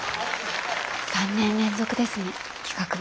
３年連続ですね企画部。